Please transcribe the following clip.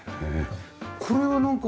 これはなんか。